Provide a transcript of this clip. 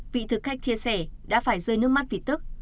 vị thực khách chia sẻ đã phải rơi nước mắt vì tức